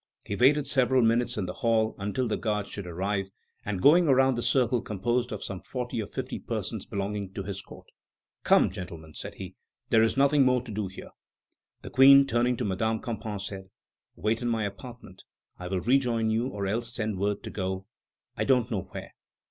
He waited several minutes in the hall until the guard should arrive, and, going around the circle composed of some forty or fifty persons belonging to his court: "Come, gentlemen," said he, "there is nothing more to do here." The Queen, turning to Madame Campan, said: "Wait in my apartment; I will rejoin you or else send word to go I don't know where."